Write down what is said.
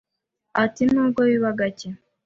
Ati “Nubwo biba gake,